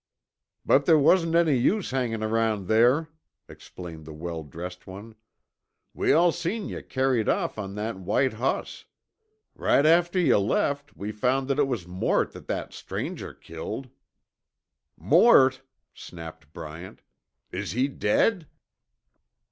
"But there wasn't any use hangin' around there," explained the well dressed one. "We all seen yuh carried off on that white hoss. Right after yuh left, we found that it was Mort that that stranger killed." "Mort?" snapped Bryant. "Is he dead?"